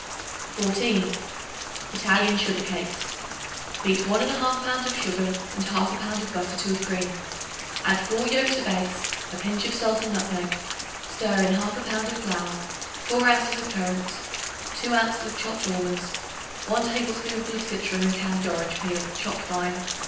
14. Italian Sugar Cakes. Beat 1 1/2 pounds of sugar and 1/2 pound of butter to a cream; add 4 yolks of eggs, a pinch of salt and nutmeg. Stir in 1/2 pound of flour, 4 ounces of currants, 2 ounces of chopped almonds, 1 tablespoonful of citron and candied orange peel chopped fine.